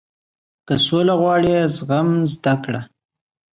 • که سوله غواړې، زغم زده کړه.